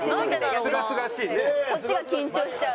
こっちが緊張しちゃう。